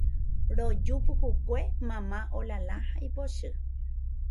Roju pukukue mama olala ha ipochy